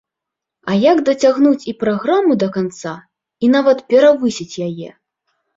А як дацягнуць і праграму да канца і нават перавысіць яе?